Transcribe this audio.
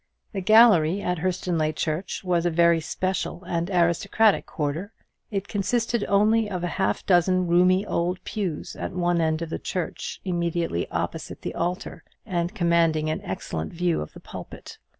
The gallery at Hurstonleigh church was a very special and aristocratic quarter. It consisted only of half a dozen roomy old pews at one end of the church, immediately opposite the altar, and commanding an excellent view of the pulpit.